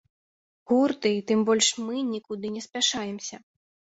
Гурт і, тым больш, мы нікуды не спяшаемся.